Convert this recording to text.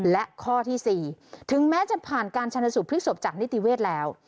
และข้อที่๔ถึงแม้จะผ่านการชนสูตพลิกศพจากนิติเวศแล้ว